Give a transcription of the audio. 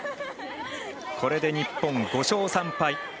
これで日本５勝３敗。